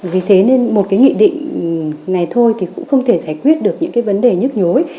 vì thế nên một cái nghị định này thôi thì cũng không thể giải quyết được những cái vấn đề nhức nhối